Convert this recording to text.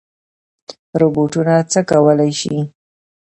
روبوټونه څه کولی شي؟